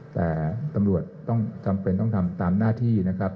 แต่ตำรวจต้องจำเป็นต้องทำตามหน้าที่นะครับ